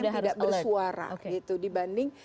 tidak bersuara gitu dibanding